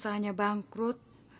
sejak usahanya bangkrut